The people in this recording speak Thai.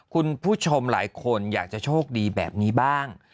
คุณผู้ชมหลายคนอยากจะโชคดีแบบนี้บ้าง